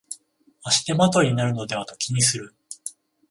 足手まといになるのではと気にする